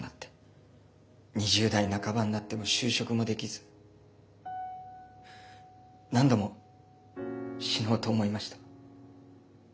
２０代半ばになっても就職もできず何度も死のうと思いました。